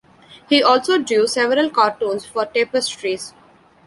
He also drew several cartoons for tapestries.